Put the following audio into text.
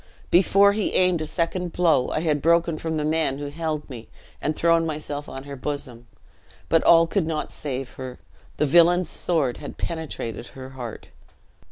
"Before he aimed a second blow, I had broken from the men who held me, and thrown myself on her bosom; but all could not save her; the villain's sword had penetrated her heart!"